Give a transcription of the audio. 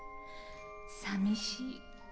さみしい。